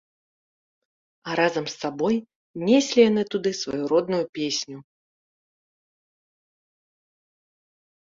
А разам з сабой неслі яны туды сваю родную песню.